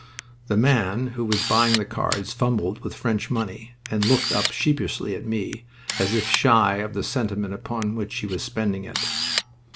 The man who was buying the cards fumbled with French money, and looked up sheepishly at me, as if shy of the sentiment upon which he was spending it.